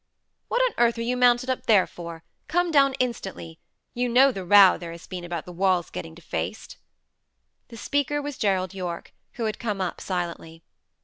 "What on earth are you mounted up there for? Come down instantly. You know the row there has been about the walls getting defaced." The speaker was Gerald Yorke, who had come up silently.